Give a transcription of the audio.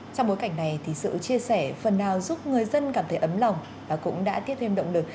trong bối cảnh này thì sự chia sẻ phần nào giúp người dân cảm thấy ấm lòng và cũng đã tiếp thêm động lực